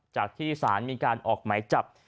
จากธิสารมีการออกไหมจับ